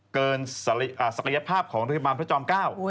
เกินศักยภาพของโรงพยาบาลพระจอมเก้า